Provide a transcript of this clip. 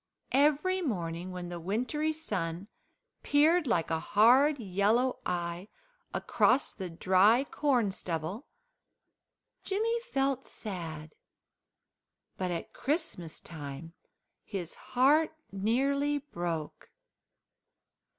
Every morning, when the wintry sun peered like a hard yellow eye across the dry corn stubble, Jimmy felt sad, but at Christmas time his heart nearly broke.